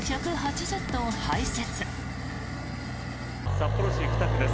札幌市北区です。